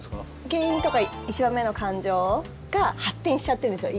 原因とか１番目の感情が発展しちゃってるんですよ